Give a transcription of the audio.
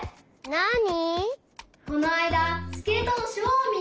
なに？